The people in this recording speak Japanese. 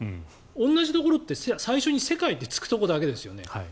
同じところって最初に世界ってつくとこだけですよね。